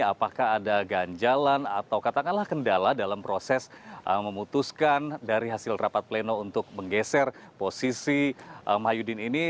apakah ada ganjalan atau katakanlah kendala dalam proses memutuskan dari hasil rapat pleno untuk menggeser posisi mahyudin ini